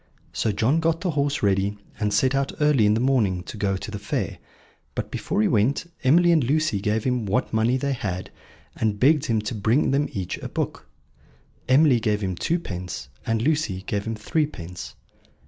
So John got the horse ready, and set out early in the morning to go to the fair; but before he went Emily and Lucy gave him what money they had, and begged him to bring them each a book. Emily gave him twopence, and Lucy gave him threepence.